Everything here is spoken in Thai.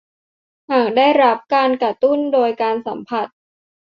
หากได้รับการกระตุ้นโดยการสัมผัส